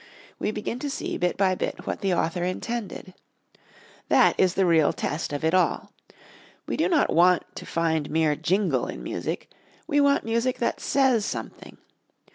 We begin to see, bit by bit, what the author intended. That is the real test of it all. We do not want to find mere jingle in music, we want music that says something.